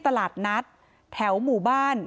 ตลาดนัดแถวหมู่บ้าน